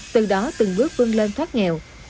từ đó từng bước vươn lên thoát nghèo